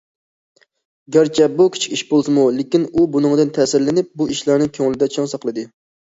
گەرچە بۇ كىچىك ئىش بولسىمۇ، لېكىن ئۇ بۇنىڭدىن تەسىرلىنىپ، بۇ ئىشلارنى كۆڭلىدە چىڭ ساقلىدى.